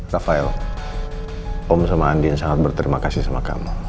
rafael om sama andin sangat berterima kasih sama kamu